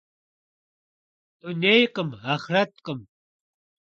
Дунейкъым, ахърэткъым.